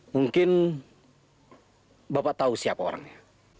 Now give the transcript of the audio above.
mungkin bapak tahu siapa orangnya